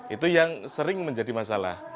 itu yang sering menjadi masalah